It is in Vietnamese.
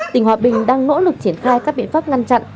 tỉnh hòa bình đang nỗ lực triển khai các biện pháp ngăn chặn